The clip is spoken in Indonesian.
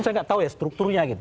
saya nggak tahu ya strukturnya gitu